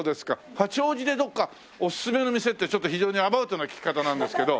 八王子でどこかおすすめの店ってちょっと非常にアバウトな聞き方なんですけど。